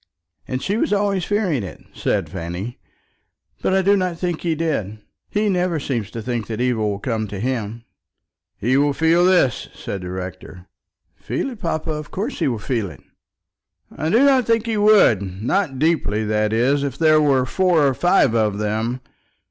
"And she was always fearing it," said Fanny. "But I do not think he did. He never seems to think that evil will come to him." "He will feel this," said the rector. "Feel it, papa! Of course he will feel it." "I do not think he would, not deeply, that is, if there were four or five of them.